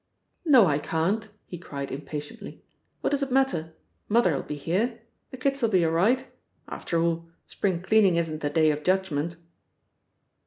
"No, I can't!" he cried impatiently. "What does it matter? Mother'll be here. The kids'll be all right. After all, spring cleaning isn't the day of judgment."